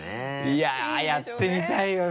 いややってみたいよな。